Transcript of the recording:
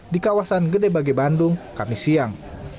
di kawasan gede bage bandung kamis siang